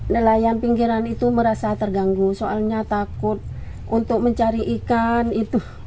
nelayan pinggiran itu merasa terganggu soalnya takut untuk mencari ikan itu